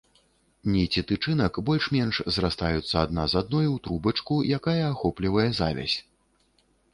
Ніці тычынак больш-менш зрастаюцца адна з адной у трубачку, якая ахоплівае завязь.